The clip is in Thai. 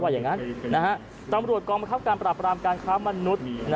ว่าอย่างนั้นตำรวจกรรมการปรับปรามการค้าวมนุษย์